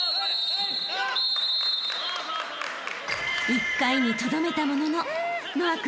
［１回にとどめたものの和青君